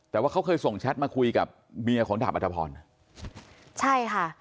แต่ว่าเขาเคยส่งแชทมาคุยกับเมียของดาบอัธพรใช่ค่ะ